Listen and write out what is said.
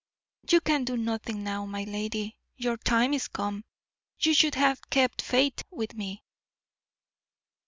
"You can do nothing now, my lady; your time is come; you should have kept faith with me."